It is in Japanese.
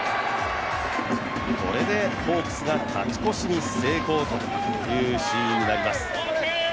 これでホークスが勝ち越しに成功というシーンになります。